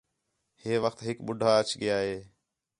ہِے وخت ہِک ٻُڈّھا اَچ ڳِیا ہِے